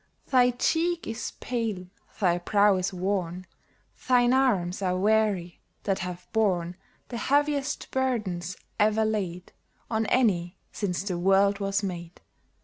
Thy cheek is pale, thy brow is worn ; Thine arms are weary, that have borne The heaviest burdens ever laid On any, since the world was made.